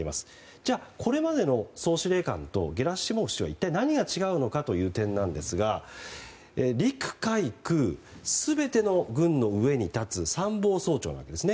じゃあ、これまでの総司令官とゲラシモフ氏は一体何が違うのかという点ですが陸海空、全ての軍の上に立つ参謀総長なんですね。